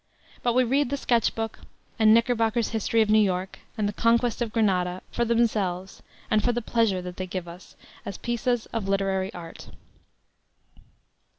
But we read the Sketch Book, and Knickerbocker's History of New York, and the Conquest of Granada for themselves, and for the pleasure that they give as pieces of literary art.